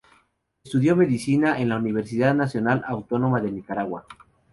Estudio Medicina, en la Universidad Nacional Autónoma de Nicaragua.